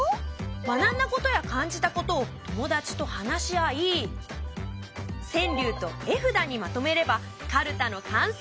学んだことや感じたことを友達と話し合い川柳と絵札にまとめればかるたの完成！